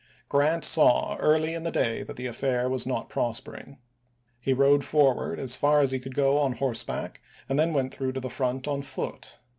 Grant saw early in the day that the affair was not prospering. He rode forward as far as he could go on horseback, and then went through to the front on foot.